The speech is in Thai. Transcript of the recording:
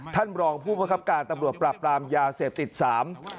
ท่านรองผู้ประคับการตำรวจปราบปรามยาเสพติดสาม